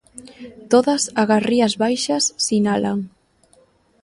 Todas agás Rías Baixas, sinalan.